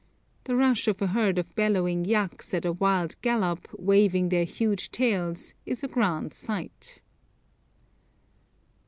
The rush of a herd of bellowing yaks at a wild gallop, waving their huge tails, is a grand sight.